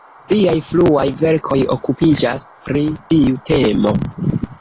Liaj fruaj verkoj okupiĝas pri tiu temo.